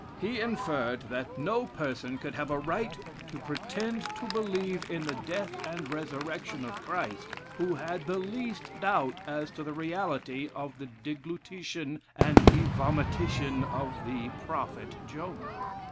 He inferred that no person could have a right to pretend to believe in the death and resurrection of Christ, who had the least doubt as to the reality of the deglutition and evomition of the prophet Jonah.